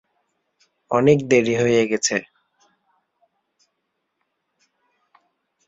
অনেক দেরী হয়ে গেছে।